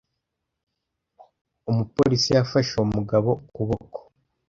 Umupolisi yafashe uwo mugabo ukuboko.